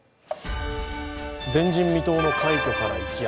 前人未到の快挙から一夜。